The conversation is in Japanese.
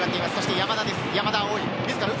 山田です。